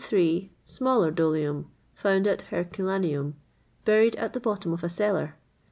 Smaller Dolium, found at Herculaneum, buried at the bottom of a cellar.